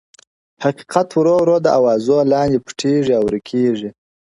حقيقت ورو ورو د اوازو لاندي پټيږي او ورکيږي,